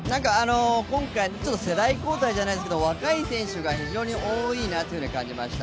今回、世代交代じゃないですけど若い選手が非常に多いなと感じました。